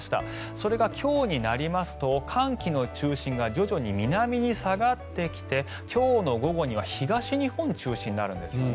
それが今日になりますと寒気の中心が徐々に南に下がってきて今日の午後には東日本中心になるんですよね。